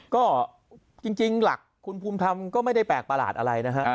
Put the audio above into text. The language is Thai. ก็จริงหลักคุณภูมิธรรมก็ไม่ได้แปลกประหลาดอะไรนะฮะ